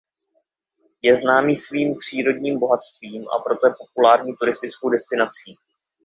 Je známý svým přírodním bohatstvím a proto je populární turistickou destinací.